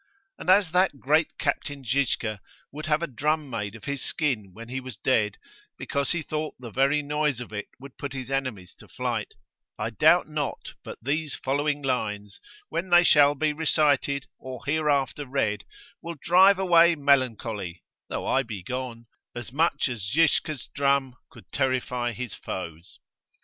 And as that great captain Zisca would have a drum made of his skin when he was dead, because he thought the very noise of it would put his enemies to flight, I doubt not but that these following lines, when they shall be recited, or hereafter read, will drive away melancholy (though I be gone) as much as Zisca's drum could terrify his foes.